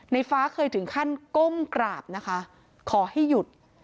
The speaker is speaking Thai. ฟ้าเคยถึงขั้นก้มกราบนะคะขอให้หยุด